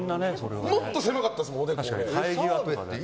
もっと狭かったですもん、おでこ。